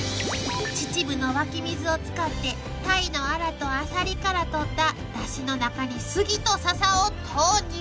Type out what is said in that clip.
［秩父の湧き水を使ってタイのあらとアサリからとっただしの中に杉とササを投入］